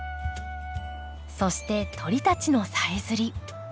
そして鳥たちのさえずり。